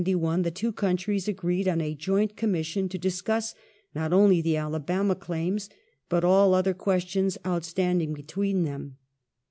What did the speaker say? ^ Early in 1871 the two countries agreed on a joint commission to discuss not only the Alabama claims, but all other questions outstanding between them.